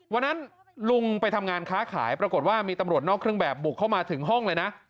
วันนั้นลุงไปทำงานค้าขายปรากฏว่ามีตำรวจนอกเครื่องแบบบุกเข้ามาถึงห้องเลยนะ